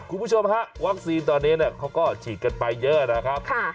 คุณผู้ชมฮะวัคซีนตอนนี้เขาก็ฉีดกันไปเยอะนะครับ